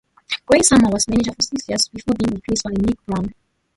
Gerry Summers was manager for six years, before being replaced by Mick Brown.